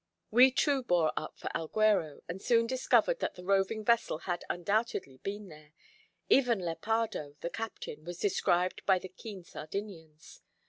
We too bore up for Alghero, and soon discovered that the roving vessel had undoubtedly been there: even Lepardo, the captain, was described by the keen Sardinians.